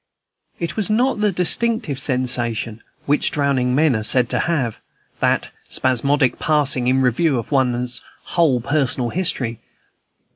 It was not the distinctive sensation which drowning men are said to have, that spasmodic passing in review of one's whole personal history.